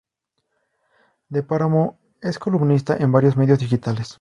De Páramo es columnista en varios medios digitales.